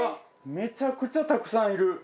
めちゃくちゃたくさんいる！